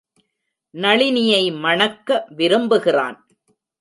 நளினியை மணக்க விரும்புகிறான்.